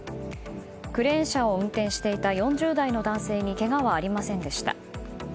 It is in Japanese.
クレーン車を運転していた４０代の男性にけがはありませんでした。